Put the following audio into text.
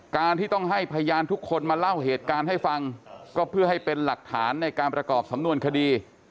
การที่ต้องให้พยานทุกคนมาเล่าเหตุการณ์ให้ฟังก็เพื่อให้เป็นหลักฐานในการประกอบสำนวนคดี